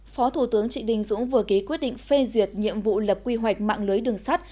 phó thủ tướng trịnh đình dũng vừa ký quyết định phê duyệt nhiệm vụ lập quy hoạch mạng lưới đường sắt